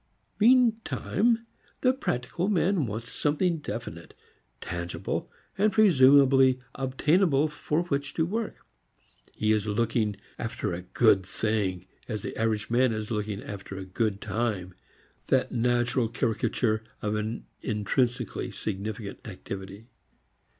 Meantime the practical man wants something definite, tangible and presumably obtainable for which to work. He is looking after "a good thing" as the average man is looking after a "good time," that natural caricature of an intrinsically significant activity.